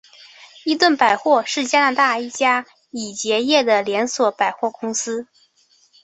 伊顿百货是加拿大一家已结业的连锁百货公司。